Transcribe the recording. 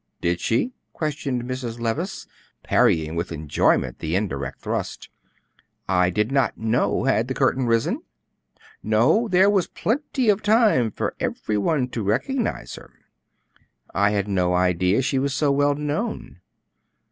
"Did she?" questioned Mrs. Levice, parrying with enjoyment the indirect thrusts. "I did not know; had the curtain risen?" "No; there was plenty of time for every one to recognize her." "I had no idea she was so well known."